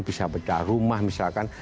bisa bedah rumah misalkan